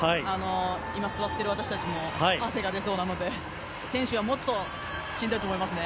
今座っている私たちも汗が出そうなので選手はもっとしんどいと思いますね。